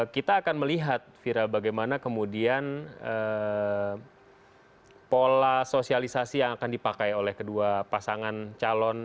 kita akan melihat vira bagaimana kemudian pola sosialisasi yang akan dipakai oleh kedua pasangan calon